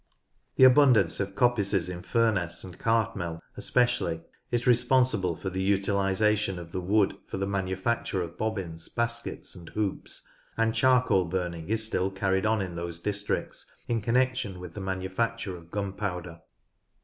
The abundance of coppices in Furness and Cartmel especially is responsible for the utilisation of the wood for the manufacture of bobbins, baskets, and hoops, and charcoal burning is still carried on in those districts in connection with the manufacture of gunpowder.